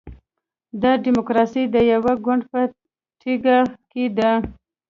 دا ډیموکراسي د یوه ګوند په ټیکه کې ده.